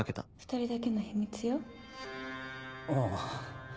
２人だけの秘密よああ